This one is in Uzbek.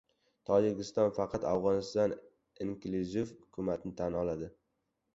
Tojikiston faqat Afg‘oniston inklyuziv hukumatini tan oladi